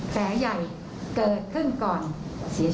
แผลใหญ่เกิดขึ้นก่อนเสียชีวิต